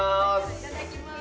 いただきます。